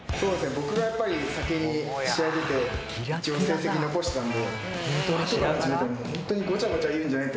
僕がやっぱり先に試合に出て一応成績残してたので。